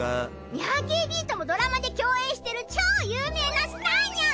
ニャーＫＢともドラマで共演してる超有名なスターニャン！